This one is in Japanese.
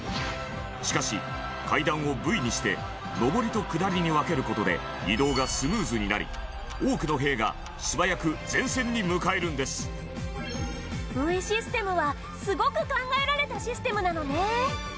しかし、階段をＶにして上りと下りに分ける事で移動がスムーズになり多くの兵が素早く前線に向かえるんですＶシステムは、すごく考えられたシステムなのね